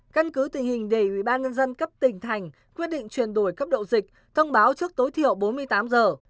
căn cứ tình hình để ubnd cấp tỉnh thành quyết định chuyển đổi cấp độ dịch thông báo trước tối thiểu bốn mươi tám giờ